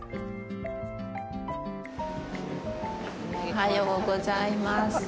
おはようございます。